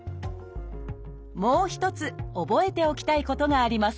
もう一つ覚えておきたいことがあります